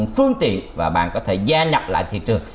phương tiện và bạn có thể gia nhập lại thị trường